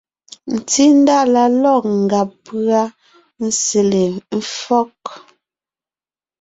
Tsindá la lɔ̂g ngàb pʉ́a sele éfɔ́g.